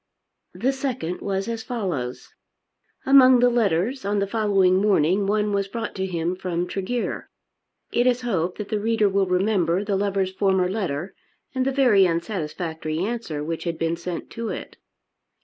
The second was as follows: Among the letters on the following morning one was brought to him from Tregear. It is hoped that the reader will remember the lover's former letter and the very unsatisfactory answer which had been sent to it.